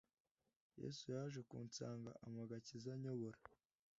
Yesu yaje kunsanga ampa agakiza anyobora